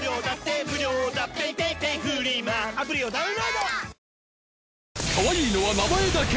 かわいいのは名前だけ！